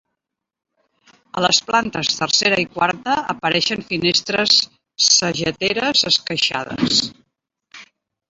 A les plantes tercera i quarta apareixen finestres sageteres esqueixades.